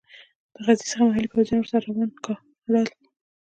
د غزني څخه محلي پوځیان ورسره روان کړل.